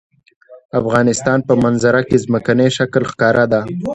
د افغانستان په منظره کې ځمکنی شکل ښکاره ده.